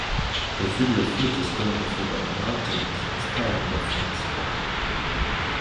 The video features choreography by Mark Jennings and styling by Frank Strachan.